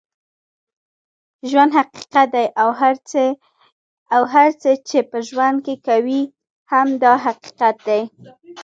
ژوند حقیقت دی اوهر څه چې په ژوند کې کوې هم دا حقیقت دی